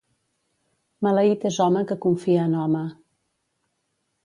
Maleït és home que confia en home.